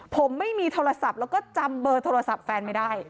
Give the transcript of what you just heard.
ผมไม่มีโทรศัพท์แล้วก็จำเบอร์โทรศัพท์แฟนไม่ได้